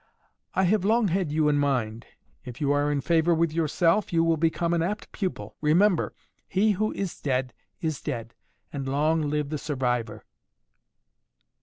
"I have long had you in mind. If you are in favor with yourself you will become an apt pupil. Remember! He who is dead is dead and long live the survivor."